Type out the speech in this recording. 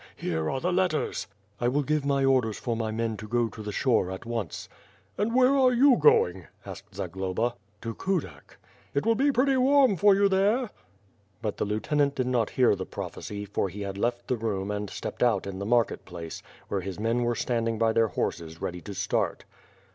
Here are the letters." "I will give my orders for my men to go to the shore at once." "And where are you going?" asked Zagloba. "To Kudak." "It will be pretty warm for you there." But the lieutenant did not hear the prophecy, for he had left the room and stepped out in the market place, where his men were standing by their horses ready to start.